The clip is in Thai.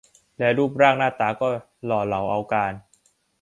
และรูปร่างหน้าตาก็หล่อเหลาเอาการ